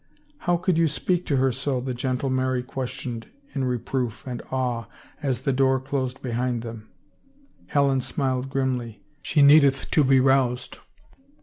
" How could you speak to her so ?" the gentle Mary questioned, in reproof and awe, as the door closed behind them. Helen smiled grimly. " She needeth to be roused.